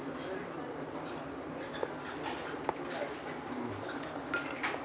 うん。